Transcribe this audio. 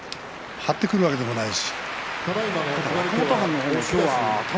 張ってくるわけでもないし。